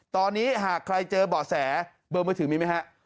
ตอนนี้หากใครเจอบ่อแสเบอร์มือถือมีไหมฮะ